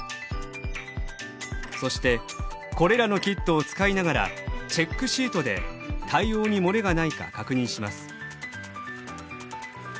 そしてこれらのキットを使いながらチェックシートで対応に漏れがないか確認します。